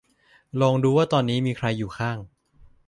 ลองดูว่าตอนนี้มีใครอยู่ข้าง